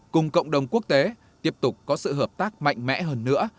cùng cộng đồng quốc tế tiếp tục có sự hợp tác mạnh mẽ hơn nữa